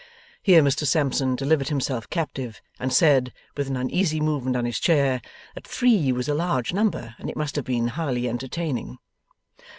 (Here Mr Sampson delivered himself captive, and said, with an uneasy movement on his chair, that three was a large number, and it must have been highly entertaining.)